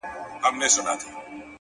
خدايه زما پر ځای ودې وطن ته بل پيدا که ـ